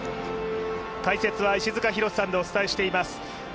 解説は石塚浩さんでお伝えしています。